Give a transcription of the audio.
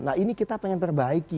nah ini kita pengen perbaiki